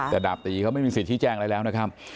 แต่ดาบตีเขาไม่มีสิทธิแจ้งอะไรแล้วนะครับ